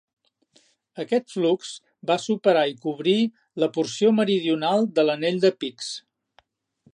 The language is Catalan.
Aquest flux va superar i cobrir la porció meridional de l'anell de pics.